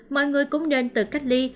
mọi người cũng nên tự cách ly